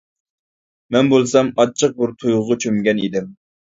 مەن بولسام ئاچچىق بىر تۇيغۇغا چۆمگەن ئىدىم.